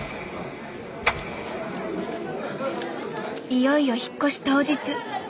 いよいよ引っ越し当日。